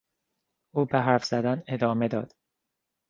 او به حرف زدن ادامه داد.